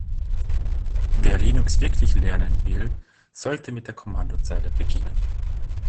Wer Linux wirklich lernen will, sollte mit der Kommandozeile beginnen.